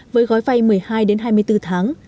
với gói vay một mươi hai hai mươi bốn tháng